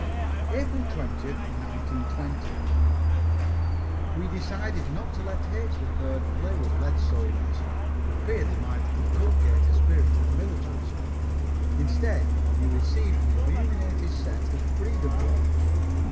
APRIL 20, 1920. We decided not to let H. 3rd play with lead soldiers, for fear they might inculcate a spirit of militarism. Instead, he received an illuminated set of Freedom Blocks.